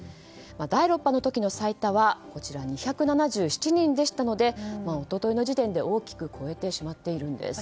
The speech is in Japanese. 第６波の時の最多は２７７人でしたので一昨日の時点で大きく超えてしまっているんです。